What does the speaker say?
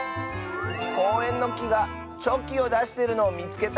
こうえんのきがチョキをだしてるのをみつけた！